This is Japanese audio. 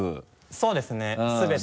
そうですね全て。